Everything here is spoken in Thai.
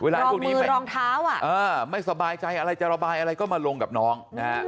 รองมือรองเท้าไม่สบายใจก็ลงกับน้อง